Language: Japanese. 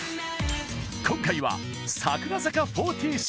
今回は、櫻坂４６。